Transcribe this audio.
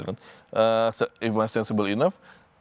kalau saya cukup menganggur